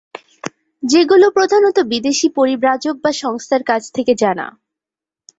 যেগুলো প্রধানত বিদেশী পরিব্রাজক বা সংস্থার কাছ থেকে জানা।